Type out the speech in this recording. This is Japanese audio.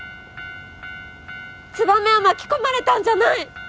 つばめは巻き込まれたんじゃない。